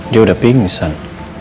dia udah pingsan